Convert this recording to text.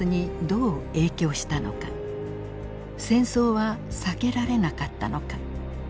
戦争は避けられなかったのか。